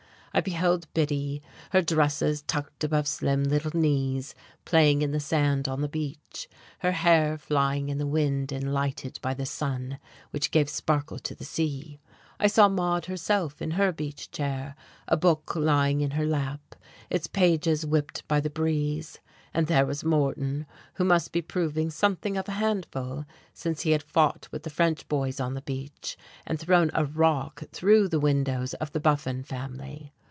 I beheld Biddy, her dresses tucked above slim little knees, playing in the sand on the beach, her hair flying in the wind and lighted by the sun which gave sparkle to the sea. I saw Maude herself in her beach chair, a book lying in her lap, its pages whipped by the breeze. And there was Moreton, who must be proving something of a handful, since he had fought with the French boys on the beach and thrown a "rock" through the windows of the Buffon family.